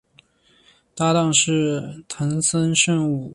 搭挡是藤森慎吾。